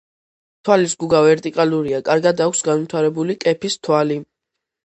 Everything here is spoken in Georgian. თვალის გუგა ვერტიკალურია, კარგად აქვს განვითარებული კეფის თვალი.